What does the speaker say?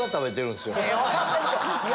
分かってるけど。